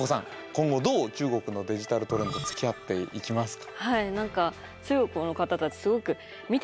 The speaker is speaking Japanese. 今後どう中国のデジタルトレンドつきあっていきますか？